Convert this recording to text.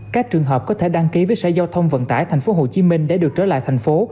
các trường hợp có thể đăng ký với sở giao thông vận tải thành phố hồ chí minh để được trở lại thành phố